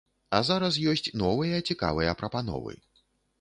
А зараз ёсць новыя цікавыя прапановы.